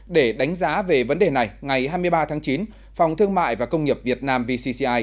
để đánh giá về vấn đề này ngày hai mươi ba tháng chín phòng thương mại và công nghiệp việt nam vcci